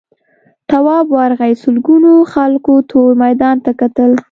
تواب ورغی سلگونو خلکو تور میدان ته کتل.